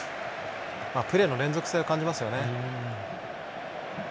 プレーの連続性を感じますよね。